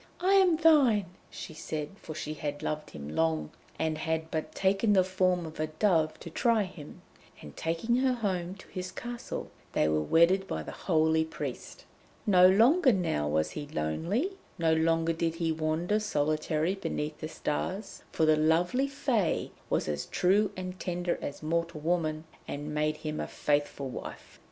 'I am thine!' she said, for she had loved him long, and had but taken the form of a dove to try him. And taking her home to his castle, they were wedded by the holy priest. No longer now was he lonely, no longer did he wander solitary beneath the stars, for the lovely Fée was as true and tender as mortal woman, and made him a faithful wife.